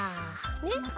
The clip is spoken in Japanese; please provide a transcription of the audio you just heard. ねっ。